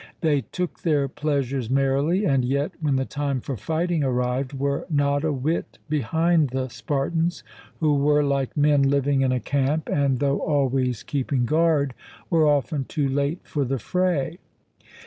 They 'took their pleasures' merrily, and yet, when the time for fighting arrived, were not a whit behind the Spartans, who were like men living in a camp, and, though always keeping guard, were often too late for the fray.